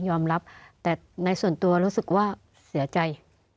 ยอมรับแต่ในส่วนตัวรู้สึกว่าเสียใจ